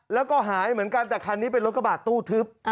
แล้วก็หายเหมือนกันแต่คันนี้เป็นรถกระบาดตู้ทึบ